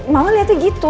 mama liatnya gitu